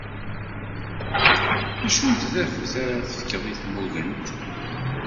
Acu n tbadut ara tefkeḍ i tmugent?